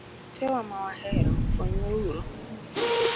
Owetewa ma wahero konywa uru.